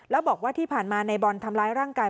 แล้วบอกว่าที่ผ่านมาในบอลทำร้ายร่างกาย